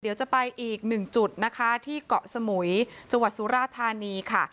เดี๋ยวจะไปอีกหนึ่งจุดนะคะที่เกาะสมุยจังหวัดสุราธานีค่ะ